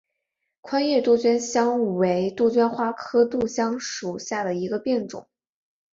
宽叶杜香为杜鹃花科杜香属下的一个变种。